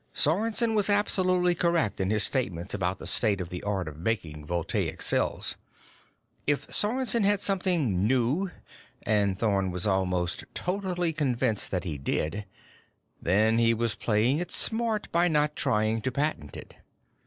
Sorensen was absolutely correct in his statements about the state of the art of making voltaic cells. If Sorensen had something new and Thorn was almost totally convinced that he did then he was playing it smart by not trying to patent it.